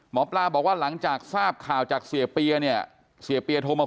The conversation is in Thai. หมอปลาบอกว่าหลังจากทราบข่าวจากเสียเปียเนี่ยเสียเปียโทรมา